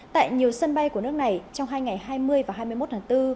tại nhiều sân bay của nước này trong hai ngày hai mươi và hai mươi một tháng bốn